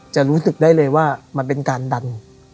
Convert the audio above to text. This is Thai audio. จะรู้สึกได้เลยว่ามันเป็นการดัน